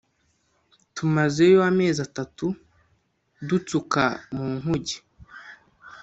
tumazeyo amezi atatu dutsuka mu nkuge